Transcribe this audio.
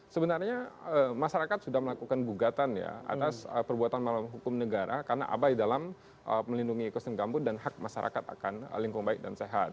sebenarnya masyarakat sudah melakukan gugatan ya atas perbuatan melawan hukum negara karena abai dalam melindungi ekosiste gambut dan hak masyarakat akan lingkungan baik dan sehat